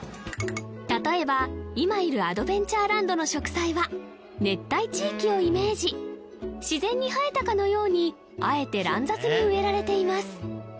例えば今いるアドベンチャーランドの植栽は熱帯地域をイメージ自然に生えたかのようにあえて乱雑に植えられています